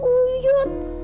eh yang uyut